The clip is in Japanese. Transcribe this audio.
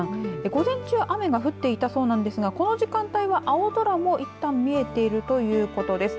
午前中、雨が降っていたそうなんですが、この時間帯は青空も、いったん見えているということです。